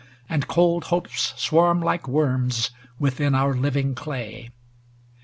And cold hopes swarm like worms within our living clay.